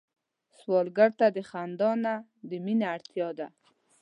سوالګر ته د خندا نه، د مينه اړتيا ده